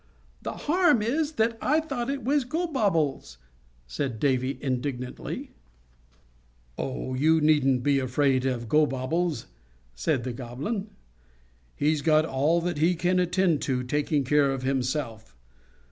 "The harm is that I thought it was Gobobbles," said Davy, indignantly. "Oh, you needn't be afraid of Gobobbles!" said the Goblin. "He's got all that he can attend to, taking care of himself.